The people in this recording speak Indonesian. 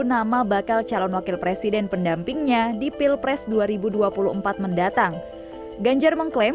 nama bakal calon wakil presiden pendampingnya di pilpres dua ribu dua puluh empat mendatang ganjar mengklaim